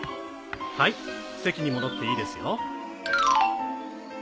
はい席に戻っていいですよ。